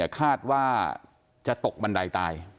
คาดว่าจะตกบันไดตาย